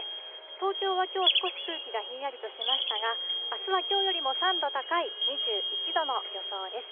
東京はきょう、少し空気がひんやりとしましたが、あすはきょうよりも３度高い２１度の予想です。